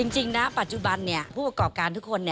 จริงนะปัจจุบันผู้ประกอบการทุกคน